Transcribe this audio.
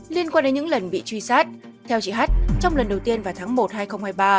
liên quan đến những lần bị truy sát theo chị h trong lần đầu tiên vào tháng một